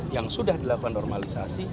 yang sudah dilakukan normalisasi